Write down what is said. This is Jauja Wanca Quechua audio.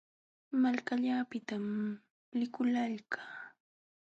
Malkallaapitam likullalqaa.